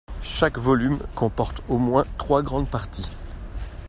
Chaque volume comporte au moins trois grandes parties.